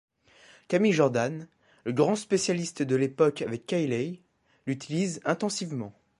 Camille Jordan, le grand spécialiste de l'époque avec Cayley, l'utilise intensivement.